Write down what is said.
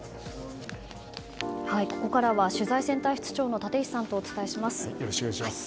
ここからは取材センター室長の立石さんとお伝えします。